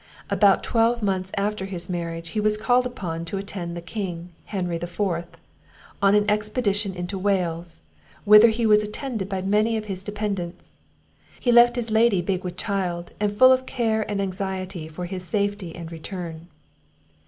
About twelve months after his marriage, he was called upon to attend the King, Henry the Fourth, on an expedition into Wales, whither he was attended by many of his dependants. He left his lady big with child, and full of care and anxiety for his safety and return.